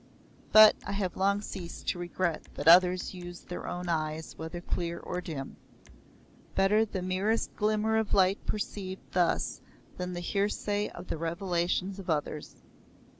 But I have long ceased to regret that others use their own eyes whether clear or dim. Better the merest glimmer of light perceived thus than the hearsay of the revelations of others.